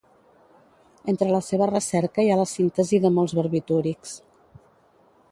Entre la seva recerca hi ha la síntesi de molts barbitúrics.